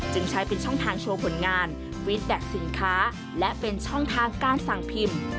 จึงใช้เป็นช่องทางโชว์ผลงานวิดแด็กสินค้าและเป็นช่องทางการสั่งพิมพ์